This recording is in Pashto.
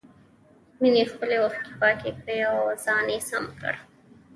مينې خپلې اوښکې پاکې کړې او ځان يې سم کړ.